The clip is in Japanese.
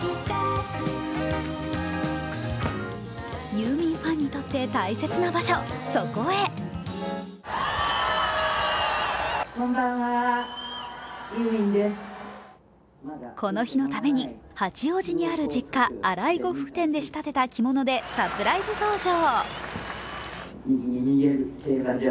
ユーミンファンにとって大切な場所、そこへこの日のために八王子にある実家、荒井呉服店で仕立てた着物でサプライズ登場。